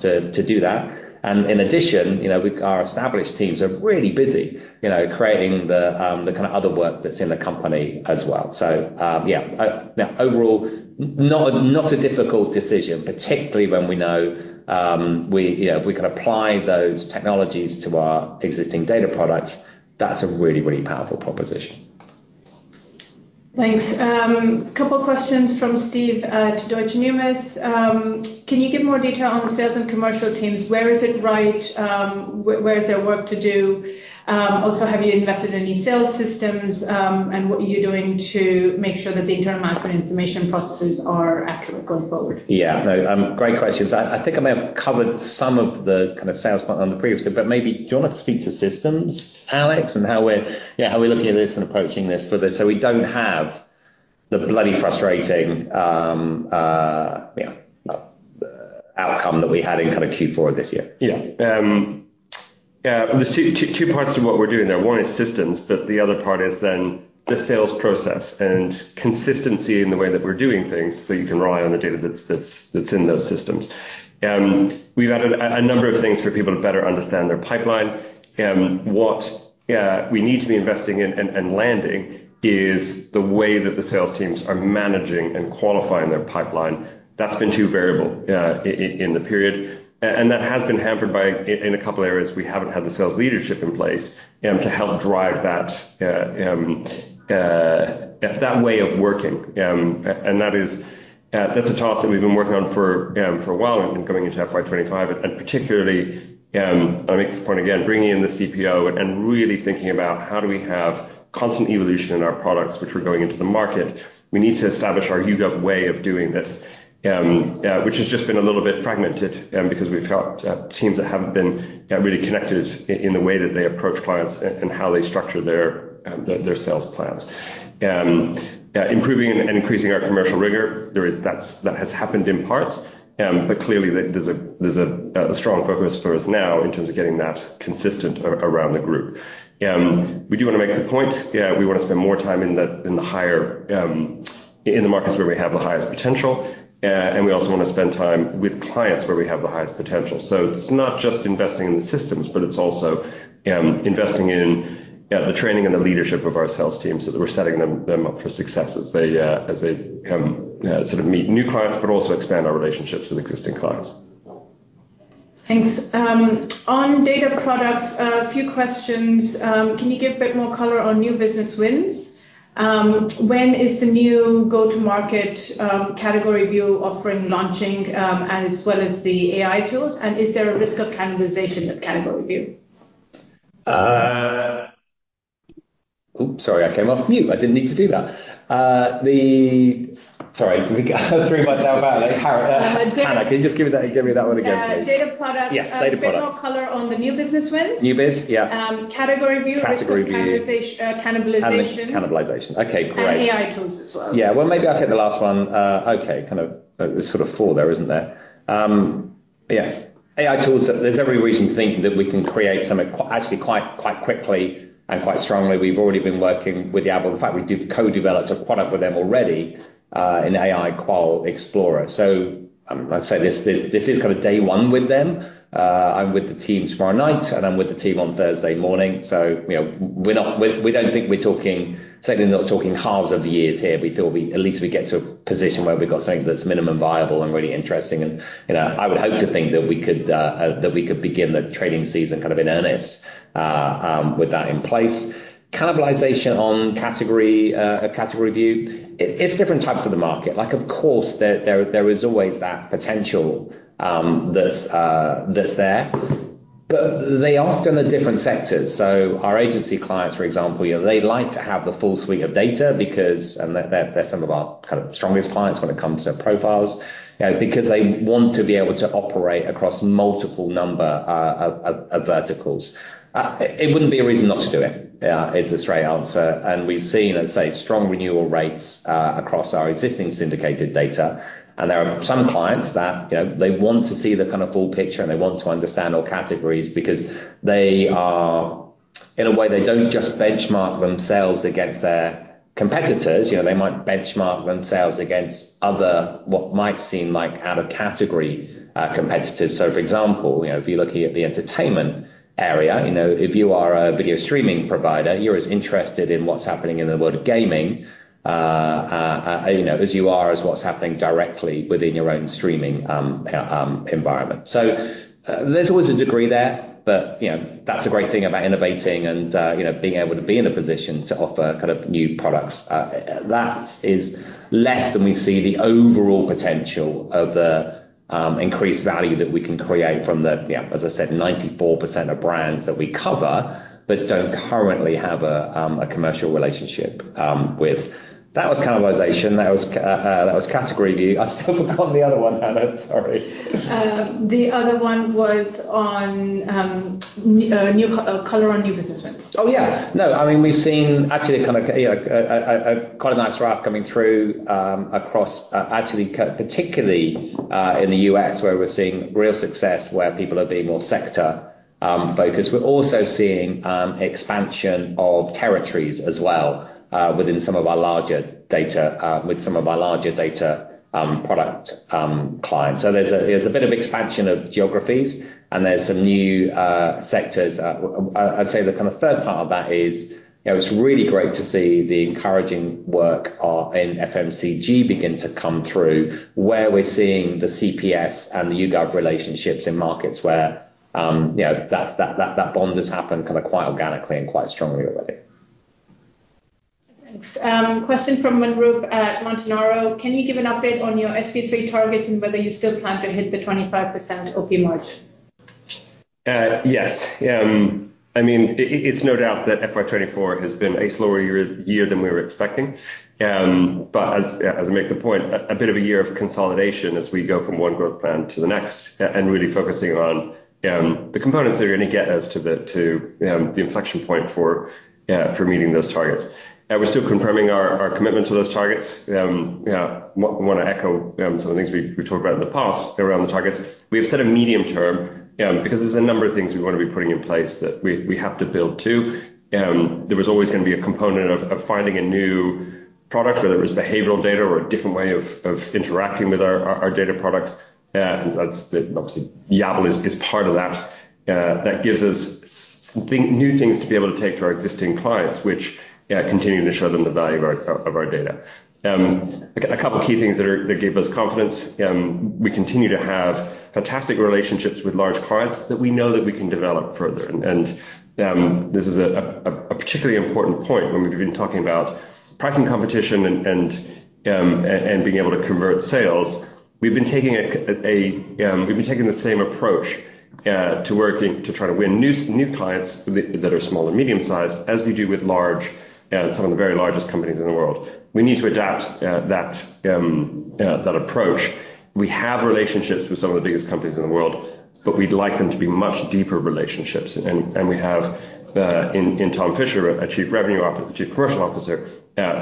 to do that. And in addition, our established teams are really busy creating the kind of other work that's in the company as well. So yeah, overall, not a difficult decision, particularly when we know if we can apply those technologies to our existing data products, that's a really, really powerful proposition. Thanks. A couple of questions from Steve at Deutsche Numis. Can you give more detail on the sales and commercial teams? Where is it right? Where is there work to do? Also, have you invested in any sales systems? And what are you doing to make sure that the internal management information processes are accurate going forward? Yeah, great questions. I think I may have covered some of the kind of sales part on the previous one, but maybe do you want to speak to systems, Alex, and how we're looking at this and approaching this so we don't have the bloody frustrating outcome that we had in kind of Q4 of this year? Yeah. There's two parts to what we're doing there. One is systems, but the other part is then the sales process and consistency in the way that we're doing things so that you can rely on the data that's in those systems. We've added a number of things for people to better understand their pipeline. What we need to be investing in and landing is the way that the sales teams are managing and qualifying their pipeline. That's been too variable in the period. That has been hampered in a couple of areas. We haven't had the sales leadership in place to help drive that way of working. That's a task that we've been working on for a while and going into FY 2025. Particularly, on Mark's point again, bringing in the CPO and really thinking about how do we have constant evolution in our products, which we're going into the market. We need to establish our YouGov way of doing this, which has just been a little bit fragmented because we've got teams that haven't been really connected in the way that they approach clients and how they structure their sales plans. Improving and increasing our commercial rigor, that has happened in parts. But clearly, there's a strong focus for us now in terms of getting that consistent around the group. We do want to make the point. We want to spend more time in the markets where we have the highest potential. And we also want to spend time with clients where we have the highest potential. It's not just investing in the systems, but it's also investing in the training and the leadership of our sales teams so that we're setting them up for success as they sort of meet new clients, but also expand our relationships with existing clients. Thanks. On data products, a few questions. Can you give a bit more color on new business wins? When is the new go-to-market CategoryView offering launching as well as the AI tools? And is there a risk of cannibalization of CategoryView? Oops, sorry, I came off mute. I didn't need to do that. Sorry, three months out. That's good. Hannah, can you just give me that one again? Data products. Yes, data products. Give more color on the new business wins. New biz, yeah. CategoryView versus cannibalization. Category view. Cannibalization. Cannibalization. Okay, great. AI tools as well. Yeah, well, maybe I'll take the last one. Okay, kind of sort of four there, isn't there? Yeah, AI tools, there's every reason to think that we can create something actually quite quickly and quite strongly. We've already been working with Yabble. In fact, we co-developed a product with them already in AI Qual Explorer. So I'd say this is kind of day one with them. I'm with the team tomorrow night, and I'm with the team on Thursday morning. So we don't think we're talking certainly not talking halves of the years here. We feel at least we get to a position where we've got something that's minimum viable and really interesting. And I would hope to think that we could begin the trading season kind of in earnest with that in place. Conversation on CategoryView. It's different types of the market. Of course, there is always that potential that's there, but they often are different sectors. So our agency clients, for example, they like to have the full suite of data because they're some of our kind of strongest clients when it comes to profiles, because they want to be able to operate across multiple number of verticals. It wouldn't be a reason not to do it. It's a straight answer. And we've seen, let's say, strong renewal rates across our existing syndicated data. And there are some clients that they want to see the kind of full picture, and they want to understand all categories because in a way, they don't just benchmark themselves against their competitors. They might benchmark themselves against other what might seem like out-of-category competitors. So for example, if you're looking at the entertainment area, if you are a video streaming provider, you're as interested in what's happening in the world of gaming as you are as what's happening directly within your own streaming environment. So there's always a degree there, but that's a great thing about innovating and being able to be in a position to offer kind of new products. That is less than we see the overall potential of the increased value that we can create from the, as I said, 94% of brands that we cover that don't currently have a commercial relationship with. That was categorization. That was category view. I still forgot the other one, Hannah. Sorry. The other one was on color on new business wins. Oh, yeah. No, I mean, we've seen actually kind of quite a nice ramp coming through across actually particularly in the U.S., where we're seeing real success where people are being more sector-focused. We're also seeing expansion of territories as well within some of our larger data with some of our larger data product clients. So there's a bit of expansion of geographies, and there's some new sectors. I'd say the kind of third part of that is it's really great to see the encouraging work in FMCG begin to come through where we're seeing the CPS and the YouGov relationships in markets where that bond has happened kind of quite organically and quite strongly already. Thanks. Question from Maoz at Montanaro. Can you give an update on your SP3 targets and whether you still plan to hit the 25% OP margin? Yes. I mean, it's no doubt that FY 2024 has been a slower year than we were expecting. But as Mick put it, a bit of a year of consolidation as we go from one growth plan to the next and really focusing on the components that you're going to get as to the inflection point for meeting those targets. We're still confirming our commitment to those targets. I want to echo some of the things we've talked about in the past around the targets. We have set a medium term because there's a number of things we want to be putting in place that we have to build to. There was always going to be a component of finding a new product, whether it was behavioral data or a different way of interacting with our data products. That's obviously Yabble is part of that. That gives us new things to be able to take to our existing clients, which continue to show them the value of our data. A couple of key things that gave us confidence. We continue to have fantastic relationships with large clients that we know that we can develop further. And this is a particularly important point when we've been talking about pricing competition and being able to convert sales. We've been taking the same approach to working to try to win new clients that are small and medium-sized as we do with some of the very largest companies in the world. We need to adapt that approach. We have relationships with some of the biggest companies in the world, but we'd like them to be much deeper relationships. And we have in Tom Fisher, a Chief Commercial Officer,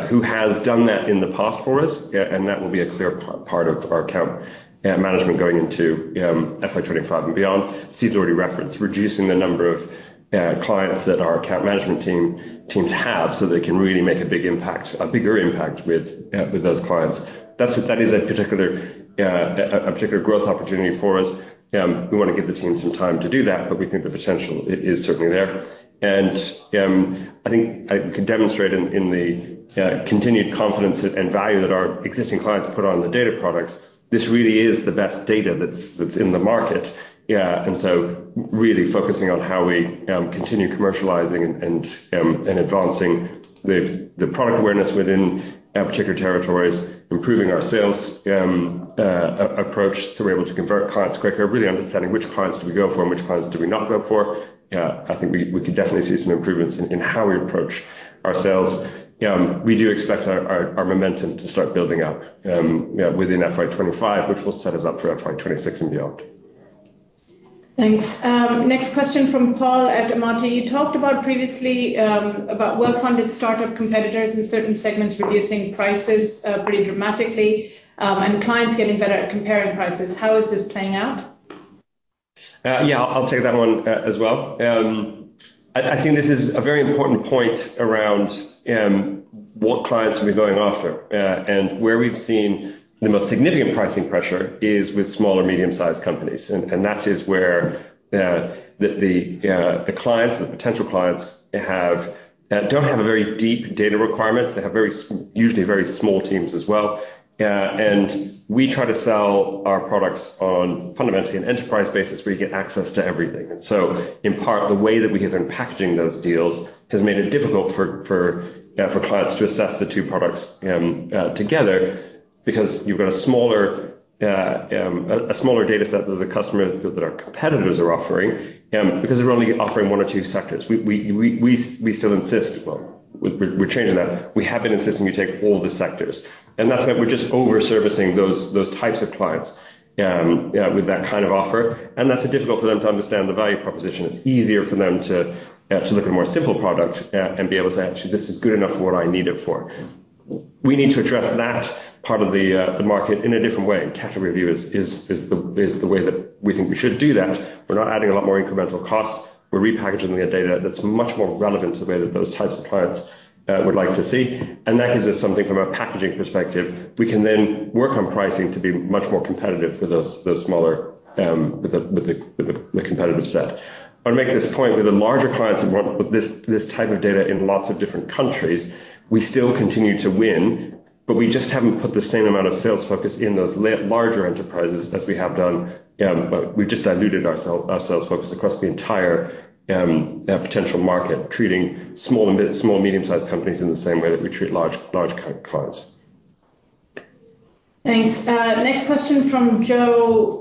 who has done that in the past for us. And that will be a clear part of our account management going into FY 2025 and beyond. Steve's already referenced reducing the number of clients that our account management teams have so they can really make a bigger impact with those clients. That is a particular growth opportunity for us. We want to give the team some time to do that, but we think the potential is certainly there. And I think we can demonstrate in the continued confidence and value that our existing clients put on the data products, this really is the best data that's in the market. And so really focusing on how we continue commercializing and advancing the product awareness within particular territories, improving our sales approach so we're able to convert clients quicker, really understanding which clients do we go for and which clients do we not go for. I think we can definitely see some improvements in how we approach ourselves. We do expect our momentum to start building up within FY 2025, which will set us up for FY 2026 and beyond. Thanks. Next question from Paul at Amati. You talked about previously about well-funded startup competitors in certain segments reducing prices pretty dramatically and clients getting better at comparing prices. How is this playing out? Yeah, I'll take that one as well. I think this is a very important point around what clients we're going after. Where we've seen the most significant pricing pressure is with small and medium-sized companies. That is where the clients, the potential clients, don't have a very deep data requirement. They have usually very small teams as well. We try to sell our products on fundamentally an enterprise basis where you get access to everything. So in part, the way that we have been packaging those deals has made it difficult for clients to assess the two products together because you've got a smaller data set that the customers that our competitors are offering because we're only offering one or two sectors. We still insist, well, we're changing that. We have been insisting you take all the sectors. That's why we're just overservicing those types of clients with that kind of offer. That's difficult for them to understand the value proposition. It's easier for them to look at a more simple product and be able to say, "Actually, this is good enough for what I need it for." We need to address that part of the market in a different way. CategoryView is the way that we think we should do that. We're not adding a lot more incremental costs. We're repackaging the data that's much more relevant to the way that those types of clients would like to see. That gives us something from a packaging perspective. We can then work on pricing to be much more competitive for those smaller with the competitive set. I'll make this point. With the larger clients that want this type of data in lots of different countries, we still continue to win, but we just haven't put the same amount of sales focus in those larger enterprises as we have done. We've just diluted our sales focus across the entire potential market, treating small and medium-sized companies in the same way that we treat large clients. Thanks. Next question from Joe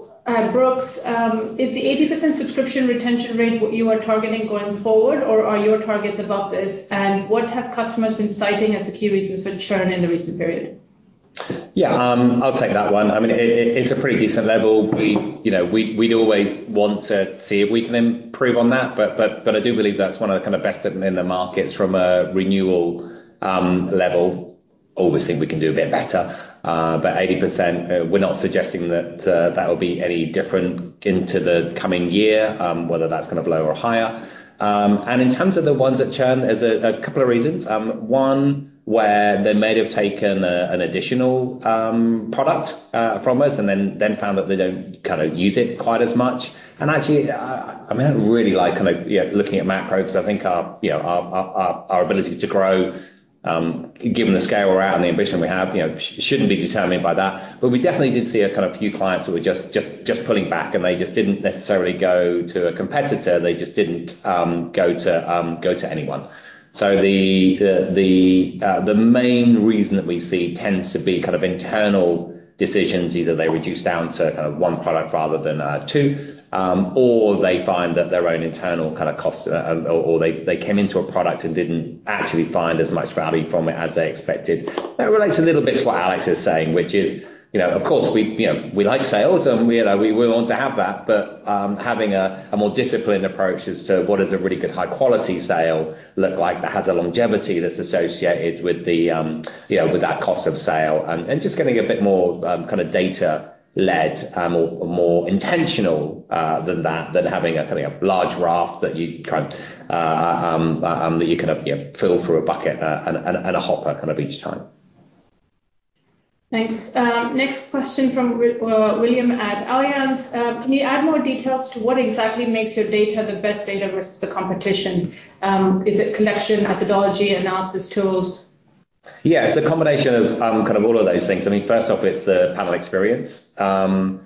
Brooks. Is the 80% subscription retention rate what you are targeting going forward, or are your targets above this? And what have customers been citing as the key reasons for churn in the recent period? Yeah, I'll take that one. I mean, it's a pretty decent level. We'd always want to see if we can improve on that, but I do believe that's one of the kind of best in the markets from a renewal level. Obviously, we can do a bit better, but 80%, we're not suggesting that that will be any different into the coming year, whether that's going to low or higher. And in terms of the ones that churn, there's a couple of reasons. One where they may have taken an additional product from us and then found that they don't kind of use it quite as much. And actually, I mean, I really like kind of looking at macro because I think our ability to grow, given the scale we're at and the ambition we have, shouldn't be determined by that. But we definitely did see a kind of few clients who were just pulling back, and they just didn't necessarily go to a competitor. They just didn't go to anyone. So the main reason that we see tends to be kind of internal decisions. Either they reduce down to kind of one product rather than two, or they find that their own internal kind of cost, or they came into a product and didn't actually find as much value from it as they expected. That relates a little bit to what Alex is saying, which is, of course, we like sales, and we want to have that. Having a more disciplined approach as to what does a really good high-quality sale look like that has a longevity that's associated with that cost of sale and just getting a bit more kind of data-led or more intentional than that, having a kind of large raft that you kind of fill through a bucket and a hopper kind of each time. Thanks. Next question from William at Allianz. Can you add more details to what exactly makes your data the best data versus the competition? Is it collection, methodology, analysis tools? Yeah, it's a combination of kind of all of those things. I mean, first off, it's the panel experience. The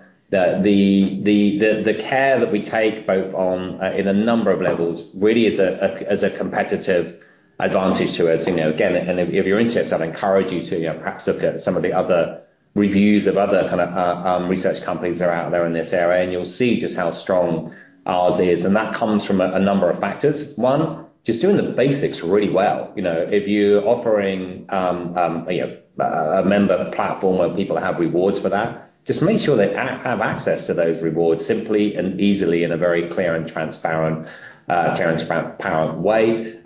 care that we take both on in a number of levels really is a competitive advantage to us. Again, if you're into it, I'd encourage you to perhaps look at some of the other reviews of other kind of research companies that are out there in this area, and you'll see just how strong ours is. And that comes from a number of factors. One, just doing the basics really well. If you're offering a member platform where people have rewards for that, just make sure they have access to those rewards simply and easily in a very clear and transparent way.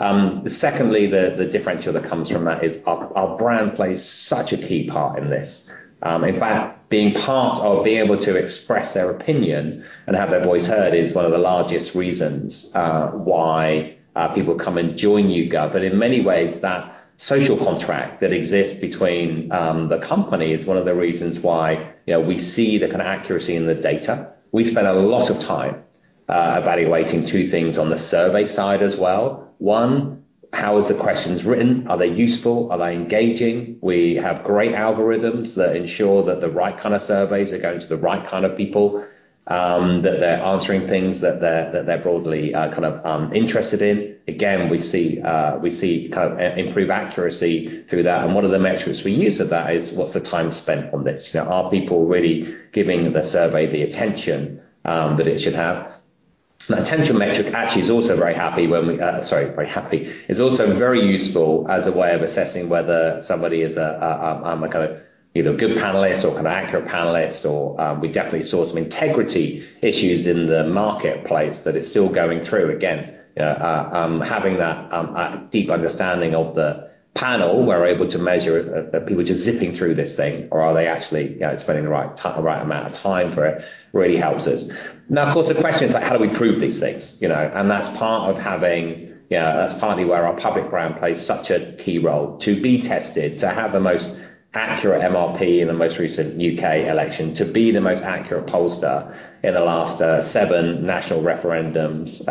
Secondly, the differential that comes from that is our brand plays such a key part in this. In fact, being part of being able to express their opinion and have their voice heard is one of the largest reasons why people come and join YouGov. But in many ways, that social contract that exists between the company is one of the reasons why we see the kind of accuracy in the data. We spend a lot of time evaluating two things on the survey side as well. One, how are the questions written? Are they useful? Are they engaging? We have great algorithms that ensure that the right kind of surveys are going to the right kind of people, that they're answering things that they're broadly kind of interested in. Again, we see kind of improved accuracy through that. One of the metrics we use for that is what's the time spent on this? Are people really giving the survey the attention that it should have? The attention metric actually is also very happy is also very useful as a way of assessing whether somebody is a kind of either a good panelist or kind of accurate panelist. We definitely saw some integrity issues in the marketplace that it's still going through. Again, having that deep understanding of the panel where we're able to measure people just zipping through this thing or are they actually spending the right amount of time for it really helps us. Now, of course, the question is like, how do we prove these things? That's part of having, that's partly where our public brand plays such a key role, to be tested, to have the most accurate MRP in the most recent U.K. election, to be the most accurate pollster in the last seven national referendums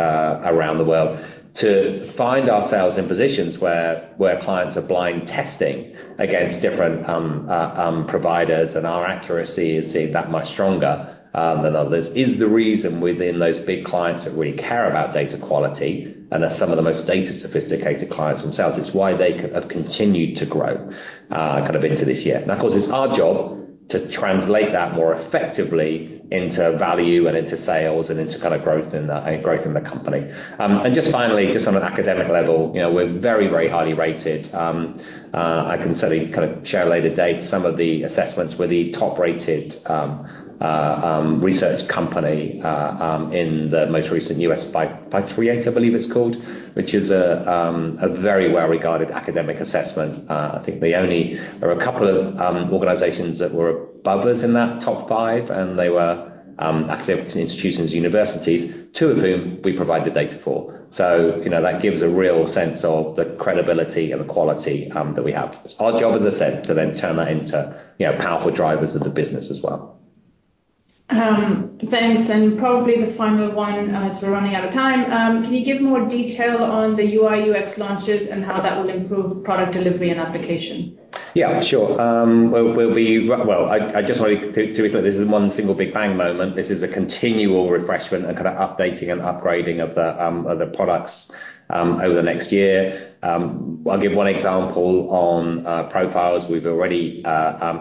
around the world, to find ourselves in positions where clients are blind testing against different providers and our accuracy is seen that much stronger than others is the reason within those big clients that really care about data quality and are some of the most data-sophisticated clients themselves. It's why they have continued to grow kind of into this year. Of course, it's our job to translate that more effectively into value and into sales and into kind of growth in the company. Just finally, just on an academic level, we're very, very highly rated. I can certainly kind of share later dates. Some of the assessments were the top-rated research company in the most recent U.S. by Creative, I believe it's called, which is a very well-regarded academic assessment. I think there are a couple of organizations that were above us in that top five, and they were academic institutions and universities, two of whom we provide the data for. So that gives a real sense of the credibility and the quality that we have. It's our job, as I said, to then turn that into powerful drivers of the business as well. Thanks. Probably the final one as we're running out of time. Can you give more detail on the UI/UX launches and how that will improve product delivery and application? Yeah, sure. Well, I just want to be clear. This is one single big bang moment. This is a continual refreshment and kind of updating and upgrading of the products over the next year. I'll give one example on profiles. We've already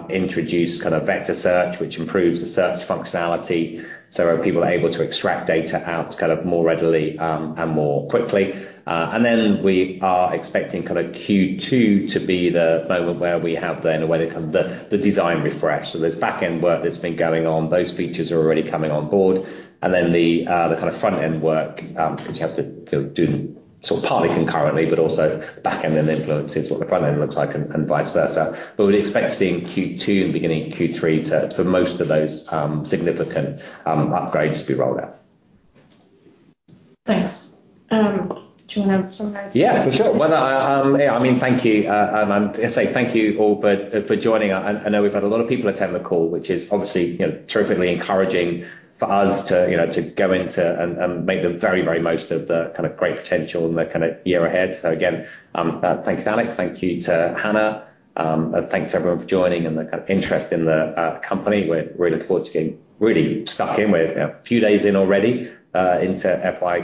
introduced kind of vector search, which improves the search functionality so people are able to extract data out kind of more readily and more quickly. And then we are expecting kind of Q2 to be the moment where we have the kind of the design refresh. So there's backend work that's been going on. Those features are already coming on board. And then the kind of front-end work because you have to do sort of partly concurrently, but also backend and influences what the front-end looks like and vice versa. But we expect seeing Q2 and beginning Q3 for most of those significant upgrades to be rolled out. Thanks. Do you want to summarize? Yeah, for sure. Yeah, I mean, thank you. I'm going to say thank you all for joining. I know we've had a lot of people attend the call, which is obviously terrifically encouraging for us to go into and make the very, very most of the kind of great potential in the kind of year ahead. So again, thank you to Alex. Thank you to Hannah. Thanks to everyone for joining and the kind of interest in the company. We're really stuck in with a few days in already into FY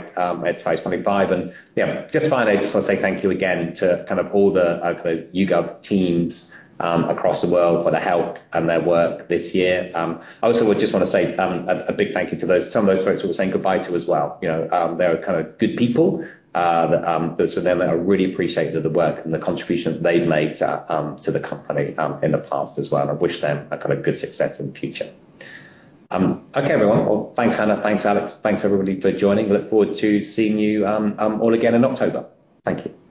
2025. And yeah, just finally, I just want to say thank you again to kind of all the YouGov teams across the world for the help and their work this year. I also would just want to say a big thank you to some of those folks who were saying goodbye to as well. They're kind of good people. Those of them that I really appreciate the work and the contribution that they've made to the company in the past as well. And I wish them a kind of good success in the future. Okay, everyone. Well, thanks, Hannah. Thanks, Alex. Thanks, everybody, for joining. Look forward to seeing you all again in October. Thank you.